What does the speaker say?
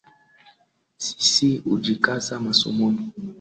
Sisi hujikaza masomoni